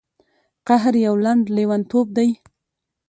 قهر یو لنډ لیونتوب دی.